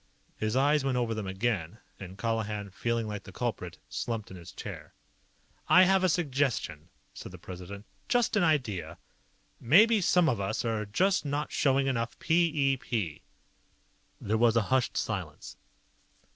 His eyes went over them again, and Colihan, feeling like the culprit, slumped in his chair. "I have a suggestion," said the President. "Just an idea. Maybe some of us just aren't showing enough p e p." There was a hushed silence.